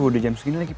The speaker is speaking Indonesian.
udah jam segini lagi